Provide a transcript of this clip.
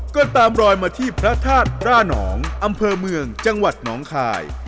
ก็ตามรอยมาที่พระธาตุร่านองอำเภอเมืองจังหวัดหนองคาย